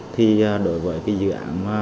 thì đối với cái dự án